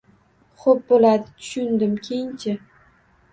– Xop bo‘ladi, tushundim, keyinchi?